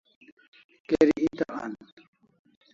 Geri eta an